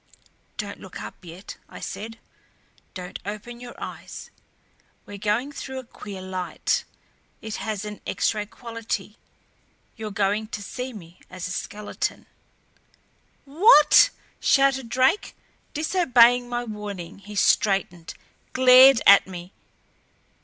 "Don't look up yet," I said. "Don't open your eyes. We're going through a queer light. It has an X ray quality. You're going to see me as a skeleton " "What?" shouted Drake. Disobeying my warning he straightened, glared at me.